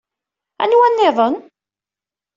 Anwa nniḍen?